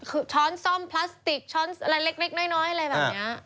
คือช้อนซ่อมพลาสติกช้อนอะไรเล็กเล็กน้อยน้อยอะไรแบบเนี้ยอ่า